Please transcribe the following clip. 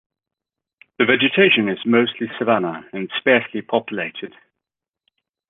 The vegetation is mostly savanna, and is sparsely populated.